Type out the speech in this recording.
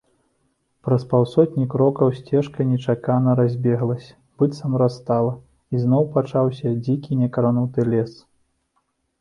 Праз паўсотні крокаў сцежка нечакана разбеглася, быццам растала, і зноў пачаўся дзікі някрануты лес.